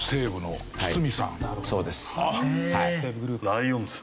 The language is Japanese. ライオンズ。